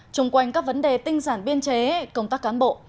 chung quanh các vấn đề tinh giản biên chế công tác cán bộ